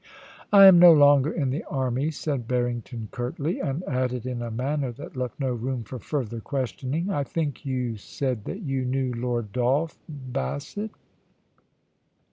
* I am no longer in the army,' said Barrington, curtly ; and added, in a manner that left no room for further ques tioning :* I think you said that you knew Lord Dolph Bassett